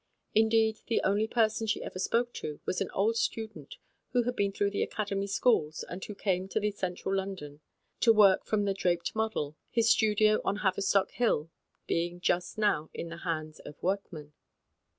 Indeed, the only person she ever spoke to was an old student who had been through the Academy schools, and who now came occasionally to the Central London to work from the draped model, his studio on Haverstock Hill being just now in the hands of workmen.